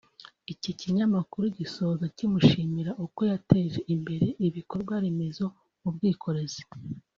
Iki kinyamakuru gisoza kimushimira uko yateje imbere ibikorwa remezo mu bwikorezi